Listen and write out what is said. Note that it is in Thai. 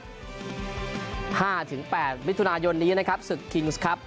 ๕๘วิทยุนายนนี้นะครับศึกฟุตบอลชิงถ้วยพระราชทานคิงส์ครับ